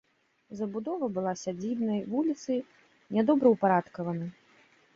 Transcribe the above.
Забудова была сядзібнай, вуліцы нядобраўпарадкаваны.